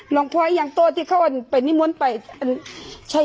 น้องพ่อยังโตที่เขาเป็นนิมนต์ไป